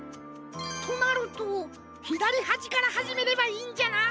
となるとひだりはじからはじめればいいんじゃな。